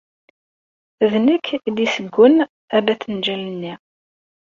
D nekk ay d-yessewwen abatenjal-nni.